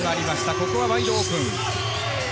ここはワイドオープン。